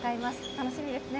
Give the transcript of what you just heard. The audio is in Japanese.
楽しみですね。